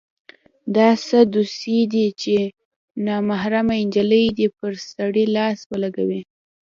دا څه دوسي ده چې نامحرمه نجلۍ دې پر سړي لاس ولګوي.